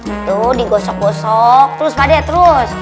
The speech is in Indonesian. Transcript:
itu digosok gosok terus padat terus